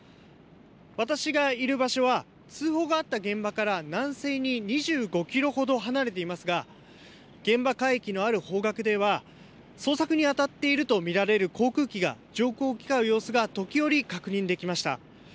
私がいる場所は、通報があった現場から南西に２５キロほど離れていますが、現場海域のある方角では、捜索に当たっていると見られる航空機が上空を行き交う様子が時折確認できました。